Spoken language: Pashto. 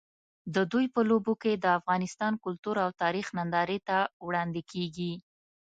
د دوی په لوبو کې د افغانستان کلتور او تاریخ نندارې ته وړاندې کېږي.